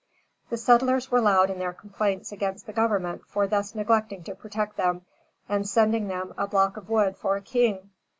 The settlers were loud in their complaints against the Government for thus neglecting to protect them, and sending them a block of wood for a king.